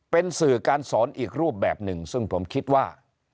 เป็นสื่อการสอนอีกรูปแบบหนึ่งซึ่งผมคิดว่า